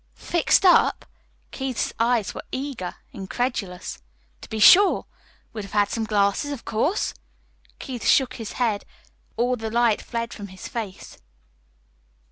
"Fixed up?" Keith's eyes were eager, incredulous. "To be sure. We'd have had some glasses, of course." Keith shook his head. All the light fled from his face.